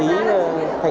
của các doanh nghiệp